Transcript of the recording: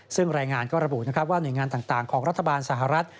ซึ่งรายงานก็ระบุนะครับว่าหน่วยงานต่างของรัฐบาลสหรัฐ